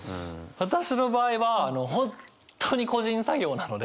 私の場合は本当に個人作業なので。